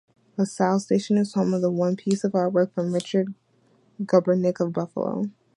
LaSalle station is home of one piece of artwork, from Richard Gubernick of Buffalo.